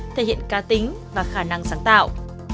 thể hiện ca tính và khả năng sáng tạo